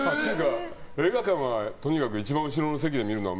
映画館はとにかく一番後ろの席で見るのは